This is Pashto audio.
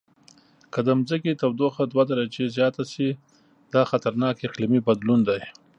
که د ځمکې تودوخه دوه درجې زیاته شي، دا خطرناک اقلیمي بدلون دی.